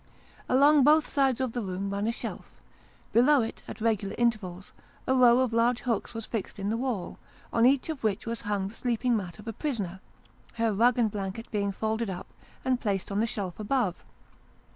Along both sides of the room ran a shelf ; below it, at regular intervals, a row of largo hooks were fixed in the wall, on each of which was hung the sleeping mat of a prisoner : her rug and blanket being folded up, and placed on the shelf above.